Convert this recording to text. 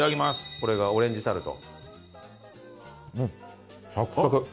これがオレンジタルト。